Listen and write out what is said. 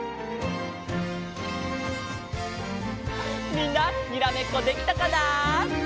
みんなにらめっこできたかな？